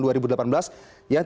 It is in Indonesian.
yang tidak disesuaikan